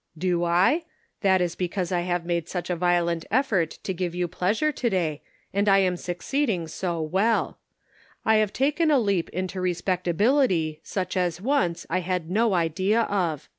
" Do I ? That is because I have made such a violent effort to give you pleasure to day, and am succeeding so well I I have taken a leap into respectability such as once I had no idea of.